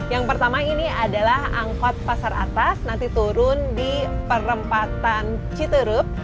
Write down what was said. yang pertama ini adalah angkot pasar atas nanti turun di perempatan citerup